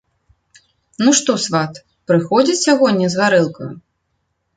Ну, што, сват, прыходзіць сягоння з гарэлкаю?